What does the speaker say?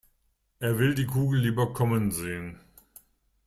Er will die Kugel lieber kommen sehen.